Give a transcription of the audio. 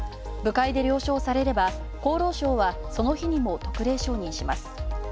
部会で了承されれば、厚労省は、その日にも特例承認します。